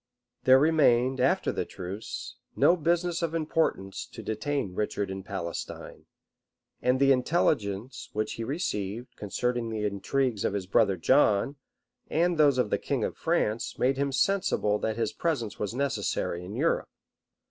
There remained, after the truce, no business of importance to detain Richard in Palestine; and the intelligence which he received, concerning the intrigues of his brother John, and those of the king of France, made him sensible that his presence was necessary in Europe.